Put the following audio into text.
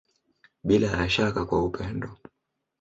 Bila ya shaka kwa upendo.